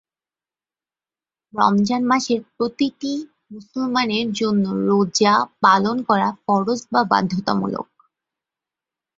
রমজান মাসে প্রতিটি মুসলমানের জন্য রোজা পালন করা ফরজ বা বাধ্যতামূলক।